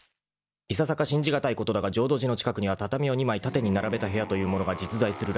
［いささか信じ難いことだが浄土寺の近くには畳を２枚縦に並べた部屋というものが実在するらしい］